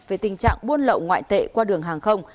về tình trạng buôn lậu ngoại tệ qua đường hàng không